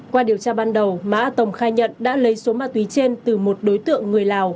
qua điều tra ban đầu má a tổng khai nhận đã lấy số ma túy trên từ một đối tượng người lào